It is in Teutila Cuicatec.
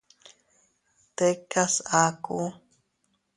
Tikas aku.